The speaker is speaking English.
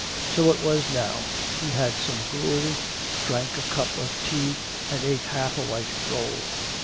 So it was now. He had some gruel, drank a cup of tea, and ate half a white roll.